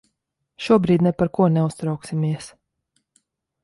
Šobrīd ne par ko neuztrauksimies.